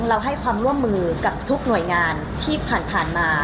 เราให้ความร่วมมือกับทุกหน่วยงานที่ผ่านมา